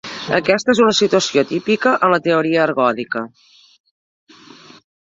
Aquesta és una situació típica en la teoria ergòdica.